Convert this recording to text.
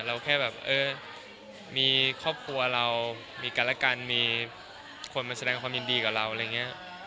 แค่แบบเออมีครอบครัวเรามีกันและกันมีคนมาแสดงความยินดีกับเราอะไรอย่างนี้